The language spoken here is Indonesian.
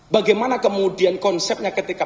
bagaimana kemudian konsepnya ketika